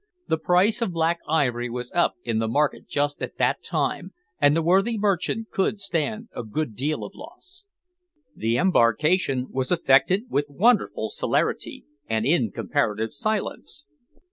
The price of black ivory was up in the market just at that time, and the worthy merchant could stand a good deal of loss. The embarkation was effected with wonderful celerity, and in comparative silence.